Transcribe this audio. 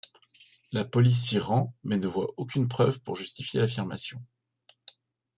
La police s’y rend mais ne voit aucune preuve pour justifier l’affirmation.